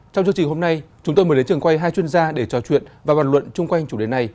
trong chương trình hôm nay chúng tôi mới đến trường quay hai chuyên gia để trò chuyện và bàn luận chung quanh chủ đề này